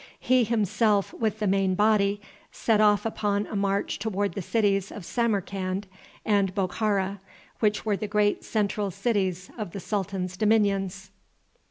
He himself, with the main body, set off upon a march toward the cities of Samarcand and Bokhara, which were the great central cities of the sultan's dominions.